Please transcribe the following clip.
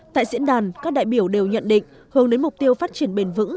tại diễn đàn các đại biểu đều nhận định hướng đến mục tiêu phát triển bền vững